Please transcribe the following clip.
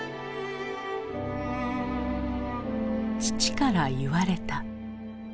父から言われた。